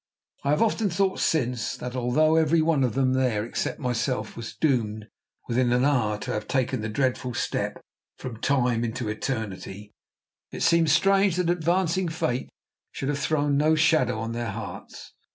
I have often thought since, that although every one of them there, except myself, was doomed within an hour to have taken the dreadful step from time into eternity, it seems strange that advancing fate should have thrown no shadow on their hearts.